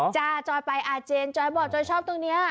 จ่าโค้นไปอาเจนส์ครับฉันบอกว่าฉันชอบตรงเนี่ย